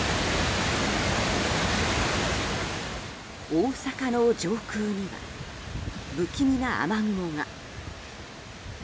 大阪の上空には不気味な雨雲が。